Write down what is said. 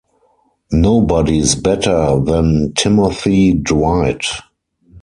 Nobody's better than Timothy Dwight!